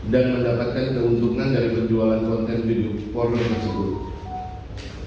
mendapatkan keuntungan dari penjualan konten video porno tersebut